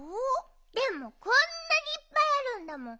でもこんなにいっぱいあるんだもん。